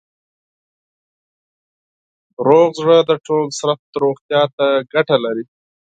صحتمند زړه د ټول بدن روغتیا ته ګټه لري.